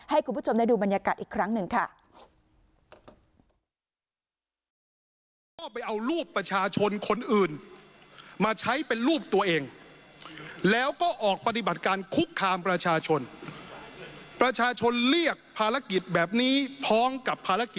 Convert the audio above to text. ให้คุณผู้ชมได้ดูบรรยากาศอีกครั้งหนึ่งค่ะ